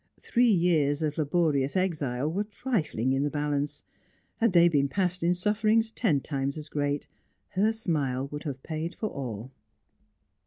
Three years of laborious exile were trifling in the balance; had they been passed in sufferings ten times as great, her smile would have paid for all.